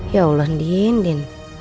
ya allah ndien